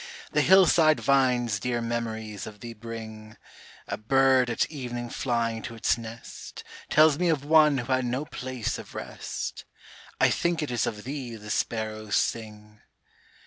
The hillside vines dear memories of thee bring : A bird at evening flying to its nest Tells me of One who had no place of rest : I think it is of thee the sparrows sing.